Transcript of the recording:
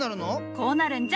こうなるんじゃ！